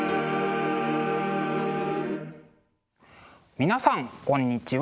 皆さんこんにちは。